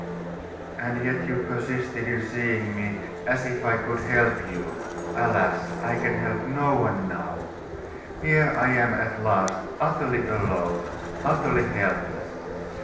'And yet you persisted in seeing me, as if I could help you? Alas! I can help no one now. Here I am at last, utterly alone, utterly helpless.